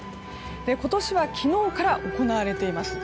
今年は昨日から行われています。